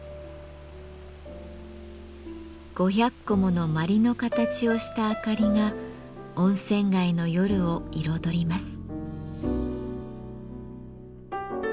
５００個もの鞠の形をしたあかりが温泉街の夜を彩ります。